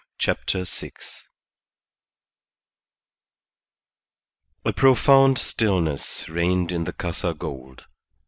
CHAPTER SIX A profound stillness reigned in the Casa Gould.